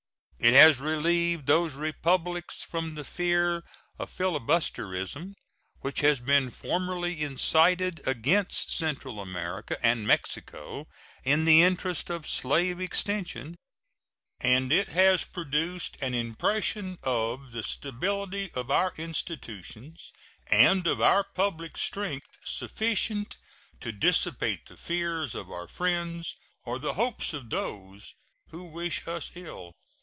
It has relieved those Republics from the fear of filibusterism which had been formerly incited against Central America and Mexico in the interest of slave extension, and it has produced an impression of the stability of our institutions and of our public strength sufficient to dissipate the fears of our friends or the hopes of those who wish us ill.